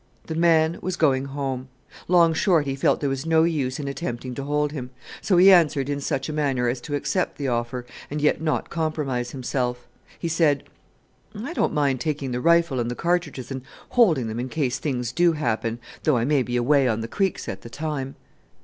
The man was going home. Long Shorty felt there was no use in attempting to hold him; so he answered in such a manner as to accept the offer, and yet not compromise himself. He said, "I don't mind taking the rifle and the cartridges and holding them in case things do happen though I may be away on the creeks at the time."